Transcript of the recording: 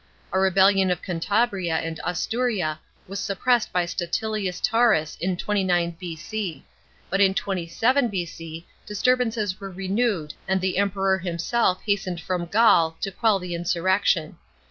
A rebellion of Cantabria and Asturia was suppressed by Statilius Taurus in 29 B.C. ; but in 27 B.C. disturbances were renewed and the Emperor himself hastened from Gaul to quell the insurrection.